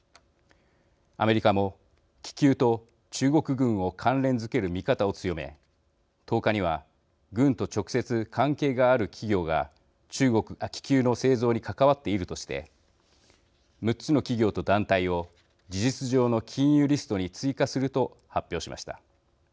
アメリカも、気球と中国軍を関連づける見方を強め１０日には、軍と直接関係がある企業が気球の製造に関わっているとして６つの企業と団体を事実上の禁輸リストに追加すると発表しました。